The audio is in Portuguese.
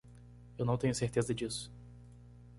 Eu não tenho certeza disso.